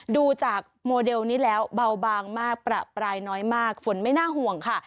ดูจากโมเดลนี้แล้วเบาบางมากประปรายน้อยมากฝนไม่น่าห่วงค่ะ